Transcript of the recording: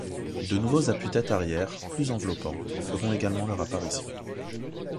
De nouveaux appuis-têtes arrières, plus enveloppants, feront également leur apparition.